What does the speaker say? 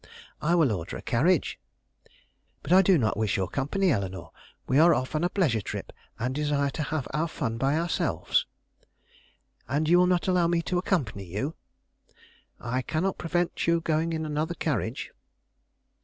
"I will order a carriage." "But I do not wish your company, Eleanore. We are off on a pleasure trip, and desire to have our fun by ourselves." "And you will not allow me to accompany you?" "I cannot prevent your going in another carriage."